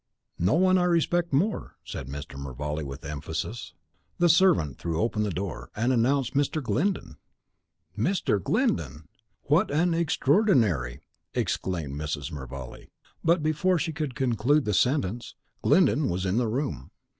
"No one I respect more," said Mr. Mervale, with emphasis. The servant threw open the door, and announced Mr. Glyndon. "Mr. Glyndon! what an extraordinary " exclaimed Mrs. Mervale; but before she could conclude the sentence, Glyndon was in the room.